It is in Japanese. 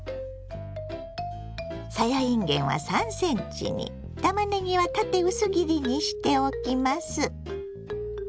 さやいんげんは３ｃｍにたまねぎは縦薄切りにしておきます。